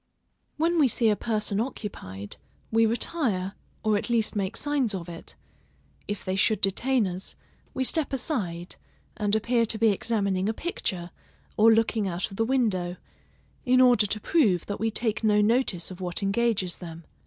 When we see a person occupied, we retire, or at least make signs of it; if they should detain us, we step aside, and appear to be examining a picture, or looking out of the window, in order to prove that we take no notice of what engages them.